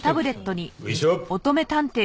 よいしょ。